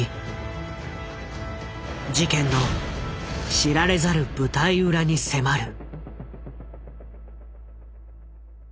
事件の知られざる舞台裏に迫る。